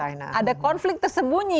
ya karena kan ada konflik tersembunyi